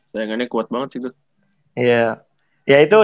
sayangannya kuat banget sih tuh